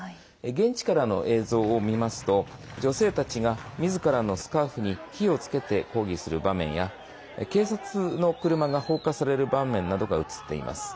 現地からの映像を見ますと女性たちがみずからのスカーフに火をつけて抗議する場面や警察の車が放火される場面などが映っています。